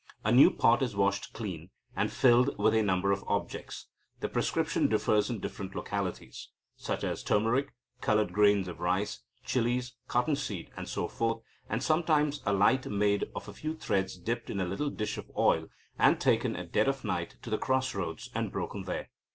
A new pot is washed clean, and filled with a number of objects (the prescription differs in different localities), such as turmeric, coloured grains of rice, chillies, cotton seed, and so forth, and sometimes a light made of a few threads dipped in a little dish of oil, and taken at dead of night to the cross roads, and broken there.